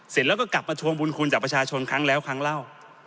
เสร็จแล้วก็กลับมาทวงบุญคุณจากประชาชนครั้งแล้วครั้งเล่า